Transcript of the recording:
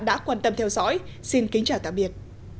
đã quan tâm theo dõi xin kính chào tạm biệt